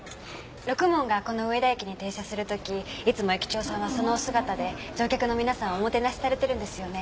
ろくもんがこの上田駅に停車する時いつも駅長さんはそのお姿で乗客の皆さんをおもてなしされてるんですよね？